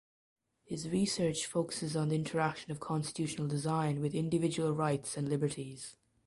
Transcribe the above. His research focuses on the interaction of constitutional design with individual rights and liberties.